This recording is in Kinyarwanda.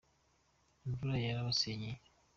imvura yarabasenyeye